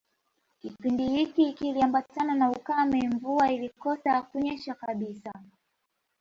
Kipindi hiki kiliambatana na ukame Mvua ilikosa kunyesha kabisa